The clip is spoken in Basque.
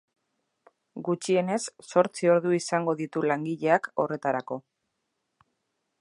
Gutxienez zortzi ordu izango ditu langileak horretarako.